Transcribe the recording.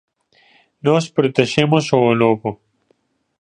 Nós protexemos o lobo.